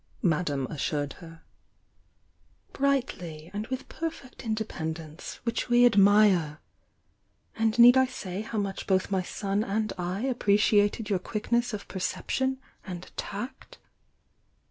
Madame assured her — "Brightly, and with perfect independence, which we admire And need I say how much both my son and I appreciated your quickness of perception and tact?"